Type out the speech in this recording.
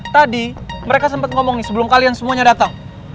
tadi mereka sempat ngomongin sebelum kalian semuanya datang